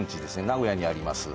名古屋にあります